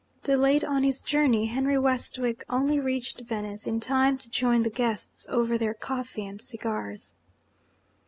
Delayed on his journey, Henry Westwick only reached Venice in time to join the guests over their coffee and cigars.